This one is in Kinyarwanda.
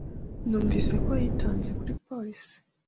Numvise ko yitanze kuri polisi.